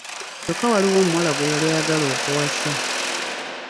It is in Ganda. Kyokka waaliwo omuwala gwe yali ayagala okuwasa.